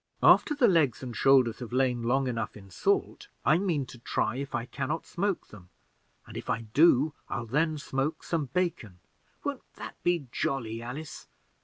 After the legs and shoulders have lain long enough in salt, I mean to try if I can not smoke them, and if I do, I'll then smoke some bacon. Won't that be jolly, Alice?